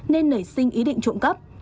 nên nảy sinh ý định trộm cắp